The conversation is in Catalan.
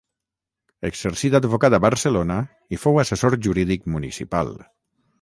Exercí d’advocat a Barcelona i fou assessor jurídic municipal.